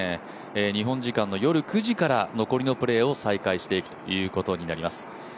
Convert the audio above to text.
日本時間の夜９時から残りのプレーを再開していくということです。